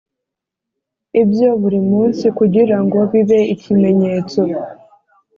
ibyo buri munsi kugira ngo bibe ikimenyetso